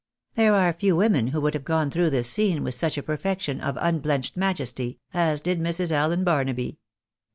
There are few women who could have gone through this scene with such a perfection of "unblenched majesty," as did Mrs. Allen Barnaby.